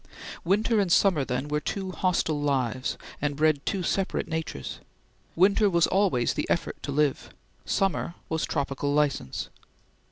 Winter and summer, then, were two hostile lives, and bred two separate natures. Winter was always the effort to live; summer was tropical license.